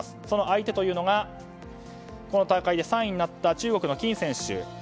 その相手というのがこの大会で３位になった中国のキン選手。